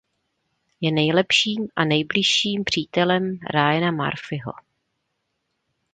Je nejlepším a nejbližším přítelem Ryana Murphyho.